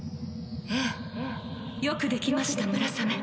ええ。よくできましたムラサメ。